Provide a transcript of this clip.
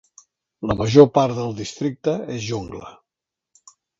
La major part del districte és jungla.